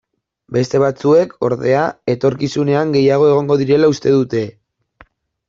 Beste batzuek, ordea, etorkizunean gehiago egongo direla uste dute.